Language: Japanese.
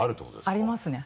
ありますね。